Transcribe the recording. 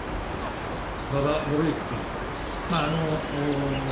馬場伸幸君。